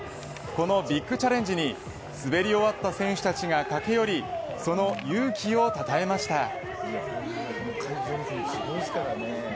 このビッグチャレンジに滑り終わった選手たちが駆け寄りその勇気をたたえました。